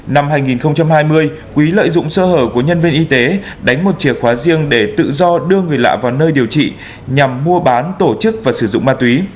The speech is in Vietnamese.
năm hai nghìn hai mươi quý lợi dụng sơ hở của nhân viên y tế đánh một chìa khóa riêng để tự do đưa người lạ vào nơi điều trị nhằm mua bán tổ chức và sử dụng ma túy